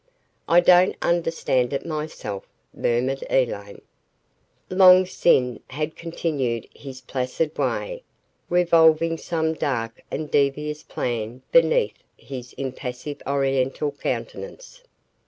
"I don't understand it, myself," murmured Elaine. Long Sin had continued his placid way, revolving some dark and devious plan beneath his impassive Oriental countenance.